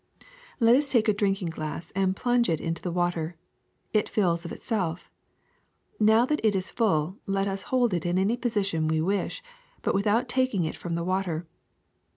^^Let us take a drinking glass and plunge it into the water. It fills of itself. Now that it is full, let us hold it in any position we wish, but without taking it from the water.